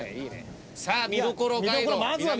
さあ見どころガイド南田さん。